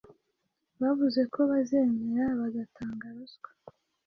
Bavuze ko bazemera bagatanga ruswa.